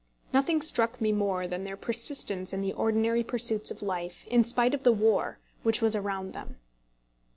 Nothing struck me more than their persistence in the ordinary pursuits of life in spite of the war which was around them.